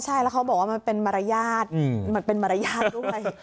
ใช่แล้วเขาบอกว่ามันเป็นมารยาทมันเป็นมารยาทด้วย